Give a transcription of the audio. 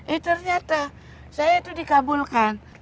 eh ternyata saya itu dikabulkan